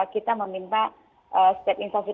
kita meminta setiap instansi